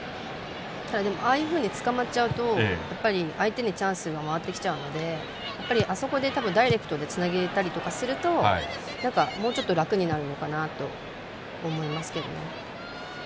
ああいうふうにつかまっちゃうと相手にチャンスが回ってきちゃうのでやっぱり、あそこでダイレクトでつなげたりとかするともうちょっと楽になるのかなと思いますけどね。